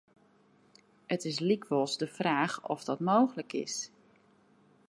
It is lykwols de fraach oft dat mooglik is.